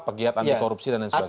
pegiat anti korupsi dan lain sebagainya